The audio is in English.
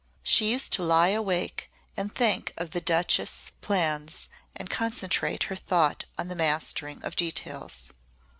She used to lie awake and think of the Duchess' plans and concentrate her thought on the mastering of details.